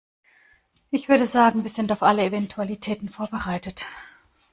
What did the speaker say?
Ich würde sagen, wir sind auf alle Eventualitäten vorbereitet.